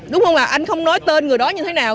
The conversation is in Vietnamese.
đúng không ạ anh không nói tên người đó như thế nào